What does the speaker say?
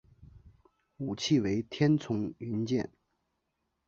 武器为天丛云剑。